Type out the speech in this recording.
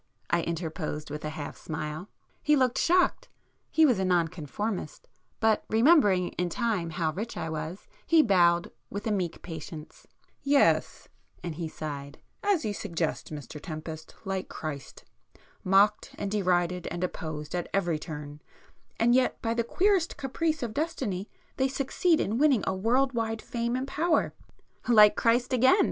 I interposed with a half smile. He looked shocked,—he was a Non conformist,—but remembering in time how rich I was, he bowed with a meek patience. "Yes"—and he sighed—"as you suggest, Mr Tempest, like Christ. Mocked and derided and opposed at every turn,—and yet by the queerest caprice of destiny, they succeed in winning a world wide fame and power——" [p 100]"Like Christ again!"